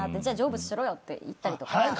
じゃあ成仏しろよって言ったりとか。